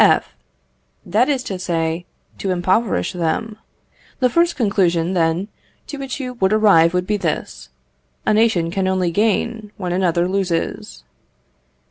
F. That is to say, to impoverish them. The first conclusion, then, to which you would arrive would be this, a nation can only gain when another loses.